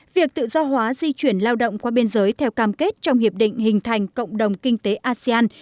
việc tự do hóa di chuyển lao động qua biên giới theo cam kết trong hiệp định hình thành cộng đồng kinh tế asean